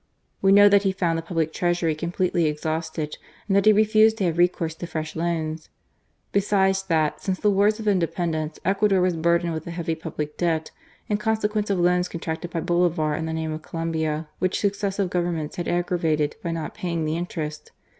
We know that he found the Public Treasury com pletely exhausted, and that he refused to have recourse to fresh loans. Besides that, since the wars of Independence, Ecuador was burdened with a heavy public debt, in consequence of loans con tracted by Bolivar in the name of Colombia, which successive Governments had aggravated by not paying the interest.